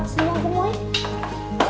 akan nggak ribet kan jadinya